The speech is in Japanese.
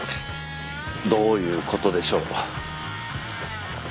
どういうことでしょう。